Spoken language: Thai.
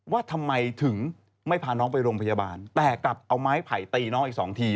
ว่าทำไมถึงไม่พาน้องไปโรงพยาบาลแต่กลับเอาไม้ไผ่ตีน้องอีกสองที